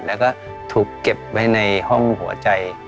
แล้วก็ถูกเก็บไว้ในห้องหัวใจ